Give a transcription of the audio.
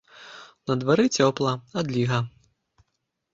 На дварэ цёпла, адліга.